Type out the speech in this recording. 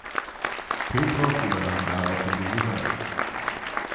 Petrov übernahm daraufhin den Gesang.